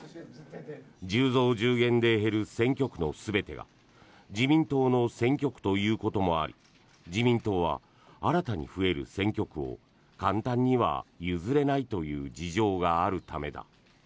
１０増１０減で減る選挙区の全てが自民党の選挙区ということもあり自民党は新たに増える選挙区を簡単には譲れないという事情があるためだ。